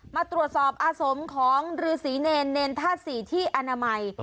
มาตรวจสอบอาสมของฤษีเนรเนรธาตุศรีที่อนามัย